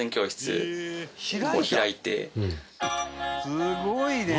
「すごいね」